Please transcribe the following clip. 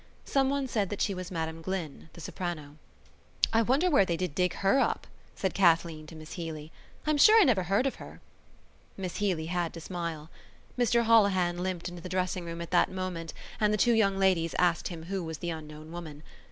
Someone said that she was Madam Glynn, the soprano. "I wonder where did they dig her up," said Kathleen to Miss Healy. "I'm sure I never heard of her." Miss Healy had to smile. Mr Holohan limped into the dressing room at that moment and the two young ladies asked him who was the unknown woman.